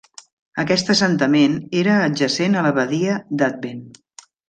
Aquest assentament era adjacent a la badia d'Advent.